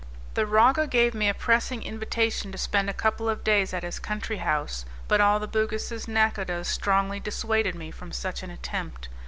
The Raga gave me a pressing invitation to spend a couple of days at his country house, but all the Bugis' nacodahs strongly dissuaded me from such an attempt.